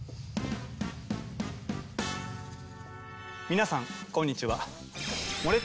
皆さんこんにちは。